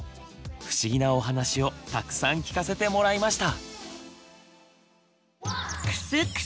不思議なお話をたくさん聞かせてもらいました。